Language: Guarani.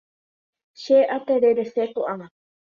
Che atererese ko'ág̃a.